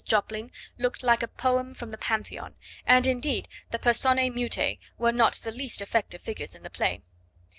Jopling looked like a poem from the Pantheon, and indeed the personae mutae were not the least effective figures in the play.